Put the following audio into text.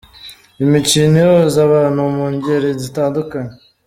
Imikino ihuza abantu mu ngeri zitandukanye.